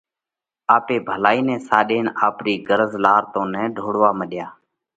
آپي ڀلائِي نئہ ساڏينَ آپرِي غرض لار تو نه ڍوڙوا مڏيا؟